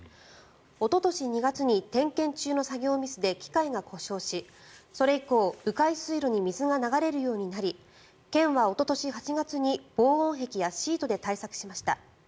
おととし２月に点検中の作業ミスで機械が故障しそれ以降、迂回水路に水が流れるようになり県はおととし８月に防音壁やシートで対策しました。